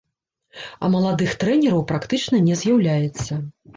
А маладых трэнераў практычна не з'яўляецца.